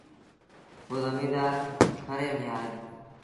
پو زميݩدآر کري ميݩ آئي دو